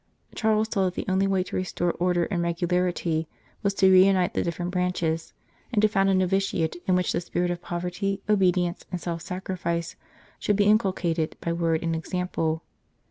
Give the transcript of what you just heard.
Charles saw that the only way to restore order and regularity was to reunite the different branches, and to found a novitiate in which the spirit of poverty, obedience, and self sacrifice, should be inculcated by word and example.